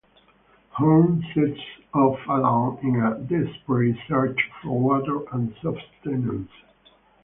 Horn sets off alone in a desperate search for water and sustenance.